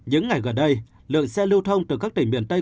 những ngày gần đây lượng xe lưu thông từ các tỉnh miền tây